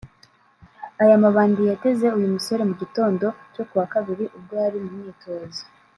Aya mabandi yateze uyu musore mu gitondo cyo ku wa Kabiri ubwo yari mu myitozo